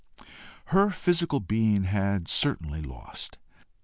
Her physical being had certainly lost.